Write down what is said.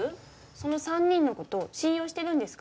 その３人の事信用してるんですか？